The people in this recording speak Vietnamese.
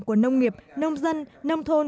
của nông nghiệp nông dân nông thôn